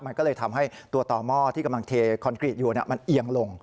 มันก็เลยทำให้ตัวต่อหม้อที่กำลังเทคอนกรีตอยู่มันเอียงลง